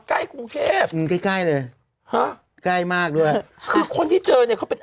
ใกล้ผมก็ใกล้เลยแฮะไกลมากด้วยคือคนที่เจอเนี่ยเขาเป็น